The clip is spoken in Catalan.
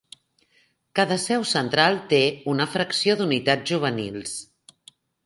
Cada seu central té una fracció d'unitats juvenils.